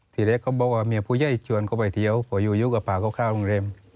ที่แรกก็บอกว่าเมียผู้เย่ยจวนเขาไปเทียวหัวอยู่อยู่กับพาก็เข้าโรงเร็ม